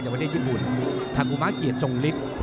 จากวันเดือนญี่ปุ่นทากุม่าเกียรติสงฤทธิ์